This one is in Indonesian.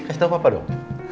kasih tau papa dong